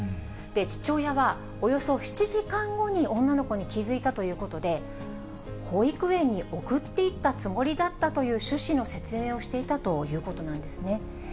父親は、およそ７時間後に女の子に気付いたということで、保育園に送っていったつもりだったという趣旨の説明をしていたということなんですね。